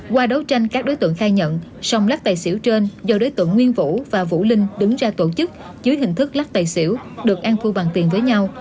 qua đấu tranh các đối tượng khai nhận sông lắc tài xỉu trên do đối tượng nguyên vũ và vũ linh đứng ra tổ chức dưới hình thức lắc tài xỉu được an thu bằng tiền với nhau